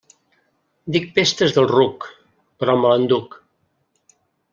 Dic pestes del ruc, però me l'enduc.